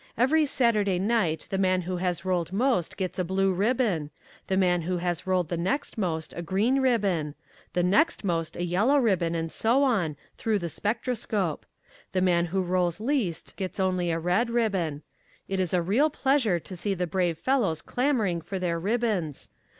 Every Saturday night the man who has rolled most gets a blue ribbon; the man who has rolled the next most, a green ribbon; the next most a yellow ribbon, and so on through the spectroscope. The man who rolls least gets only a red ribbon. It is a real pleasure to see the brave fellows clamouring for their ribbons.